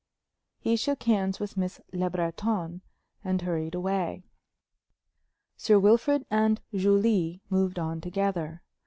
He shook hands with Miss Le Breton and hurried away. Sir Wilfrid and Julie moved on together.